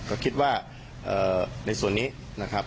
ก็คิดว่าในส่วนนี้นะครับ